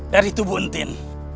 dari tubuh entin